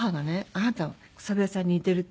あなたは草笛さんに似てるって。